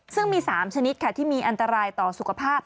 ซึ่งมี๓ชนิดค่ะที่มีอันตรายต่อสุขภาพ